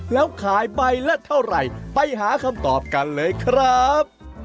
แล้วขายใบละเท่าไหร่ไปหาคำตอบกันเลยครับ